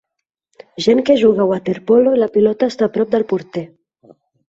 Gent que juga a waterpolo i la pilota està a prop del porter.